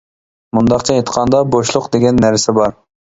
مۇنداقچە ئېيتقاندا، بوشلۇق دېگەن نەرسە بار.